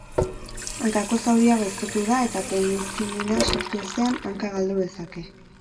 Hankako zauria gaiztotu da eta penizilina lortu ezean, hanka galdu dezake.